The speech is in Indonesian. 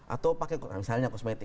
atau pakai misalnya kosmetik